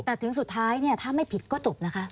แต่ถึงสุดท้ายเนี่ยถ้าไม่ผิดก็จบนะคะ